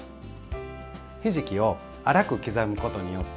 ひじきを粗く刻むことによって。